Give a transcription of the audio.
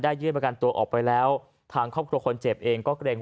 ยื่นประกันตัวออกไปแล้วทางครอบครัวคนเจ็บเองก็เกรง